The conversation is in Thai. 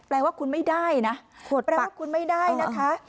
แปลว่าคุณไม่ได้นะแปลว่าคุณไม่ได้นะคะ